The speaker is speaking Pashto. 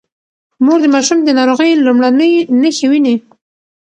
مور د ماشوم د ناروغۍ لومړنۍ نښې ويني.